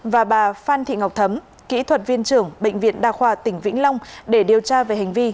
và bà phan thị ngọc thấm kỹ thuật viên trưởng bệnh viện đa khoa tỉnh vĩnh long để điều tra về hành vi